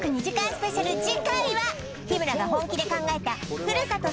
スペシャル次回は日村が本気で考えたふるさと